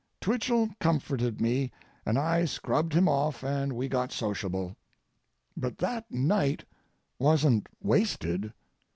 Twichell comforted me and I scrubbed him off and we got sociable. But that night wasn't wasted.